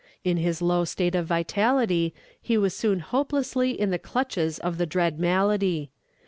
In his low state of vitality, he was soon hopelessly in the clutches of the dread malady.